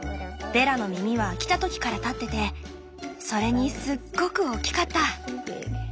ベラの耳は来た時から立っててそれにすっごく大きかった。